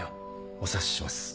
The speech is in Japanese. お察しします。